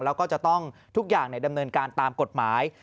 แล้วก็จะต้องทุกอย่างดำเนินการตามกฎหมาย